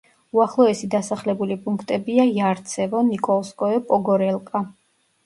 უახლოესი დასახლებული პუნქტებია: იარცევო, ნიკოლსკოე, პოგორელკა.